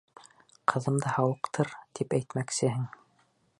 — Ҡыҙымды һауыҡтыр, тип әйтмәксеһең.